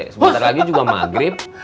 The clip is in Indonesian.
sebentar lagi juga maghrib